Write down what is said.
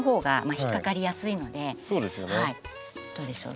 どうでしょう？